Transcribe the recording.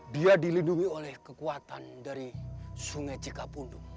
dia dilindungi oleh kekuatan dari sungai cikapundung